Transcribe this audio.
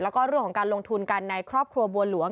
แล้วก็เรื่องของการลงทุนกันในครอบครัวบัวหลวง